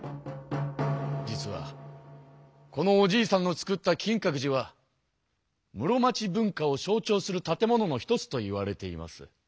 実はこのおじいさんの作った金閣寺は室町文化を象ちょうする建物の一つといわれています。